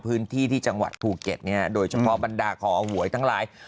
พื้นที่ที่จังหวัดภูเก็ตเนี่ยโดยเฉพาะบรรดาขอหวยทั้งหลาย